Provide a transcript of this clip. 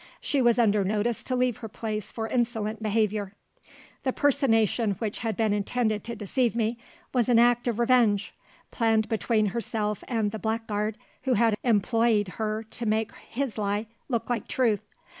She was under notice to leave her place for insolent behaviour. The personation which had been intended to deceive me, was an act of revenge; planned between herself and the blackguard who had employed her to make his lie look like truth.